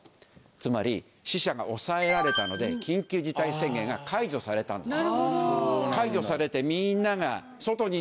つまり死者が抑えられたので緊急事態宣言が解除されたんです。